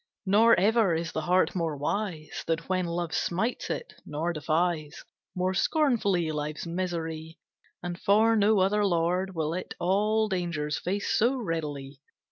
Nor ever is the heart more wise Than when Love smites it, nor defies More scornfully life's misery, And for no other lord Will it all dangers face so readily.